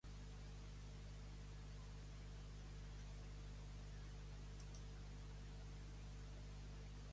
Els convidats lloen tots els plats.